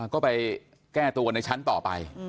ก็ไปแก้ตัวกันในชั้นต่อไป